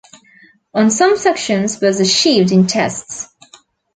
On some sections was achieved in tests.